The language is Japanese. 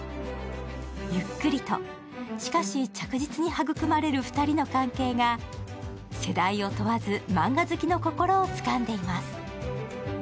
ゆっくりとしかし着実に育まれる２人の関係が世代を問わずマンガ好きの心をつかんでいます。